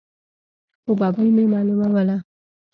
خو ببۍ مې معلوموله.